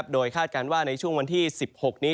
โดยคาดการณ์ว่าในช่วงวันที่๑๖นี้